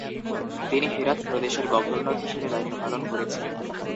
তিনি হেরাত প্রদেশের গভর্নর হিসেবে দায়িত্ব পালন করেছেন।